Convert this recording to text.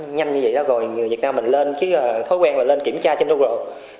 nó nhanh như vậy đó rồi người việt nam mình lên thói quen và lên kiểm tra trên google